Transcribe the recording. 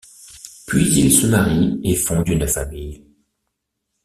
Puis il se marie et fonde une famille.